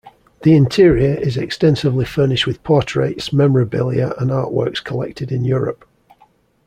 The interior is extensively furnished with portraits, memorabilia, and art works collected in Europe.